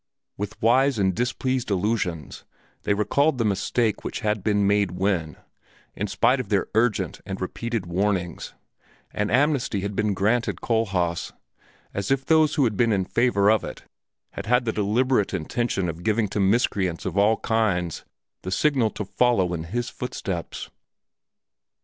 With wise and displeased allusions they recalled the mistake which had been made when, in spite of their urgent and repeated warnings, an amnesty had been granted Kohlhaas, as if those who had been in favor of it had had the deliberate intention of giving to miscreants of all kinds the signal to follow in his footsteps.